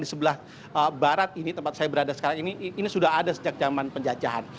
di sebelah barat ini tempat saya berada sekarang ini sudah ada sejak zaman penjajahan